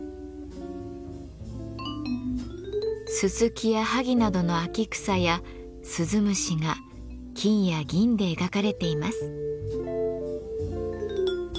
ススキやハギなどの秋草や鈴虫が金や銀で描かれています。